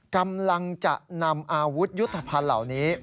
กำลังจะนำอาวุธยุทธภัณฑ์เหล่านี้